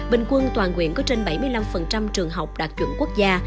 bình quân toàn quyện có trên bảy mươi năm trường học đạt chuẩn quốc gia